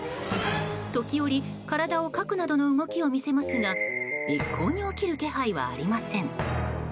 時折、体をかくなどの動きを見せますが一向に起きる気配はありません。